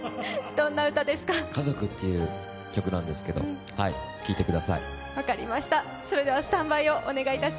「家族」っていう曲なんですけれども聴いてください。